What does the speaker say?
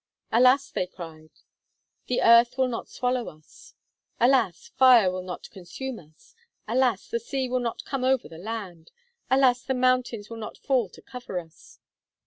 'Alas!' they cried, 'the earth will not swallow us! Alas! fire will not consume us! Alas! the sea will not come over the land! Alas! the mountains will not fall to cover us!'